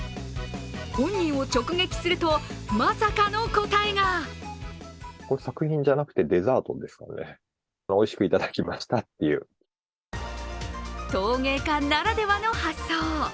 本人を直撃すると、まさかの答えが陶芸家ならではの発想。